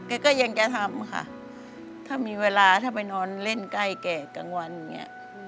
ก็ยังจะทำค่ะถ้ามีเวลาถ้าไปนอนเล่นใกล้แก่กลางวันอย่างนี้